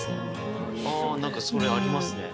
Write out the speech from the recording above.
何かそれありますね。